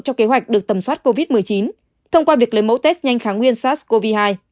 cho kế hoạch được tầm soát covid một mươi chín thông qua việc lấy mẫu test nhanh kháng nguyên sars cov hai